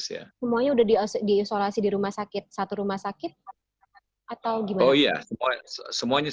semuanya sudah diisolasi di rumah sakit satu rumah sakit atau gimana